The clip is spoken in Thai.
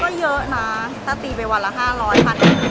ก็เยอะนะถ้าตีไปวันละ๕๐๐พัน